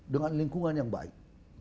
dengan lingkungan yang baik